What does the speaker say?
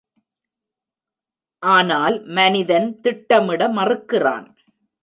ஆனால் மனிதன் திட்டமிட மறுக்கிறான்.